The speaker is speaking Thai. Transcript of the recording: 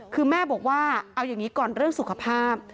คือแม่บอกว่าเอาอย่างนี้ก่อนเรื่องสุขภาพ